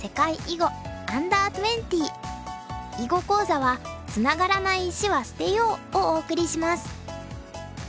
囲碁講座は「つながらない石は捨てよう」をお送りします。